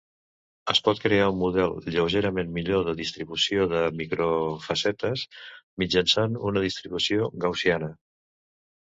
Es pot crear un model lleugerament millor de distribució de microfacetes mitjançant una distribució gaussiana.